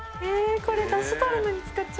これ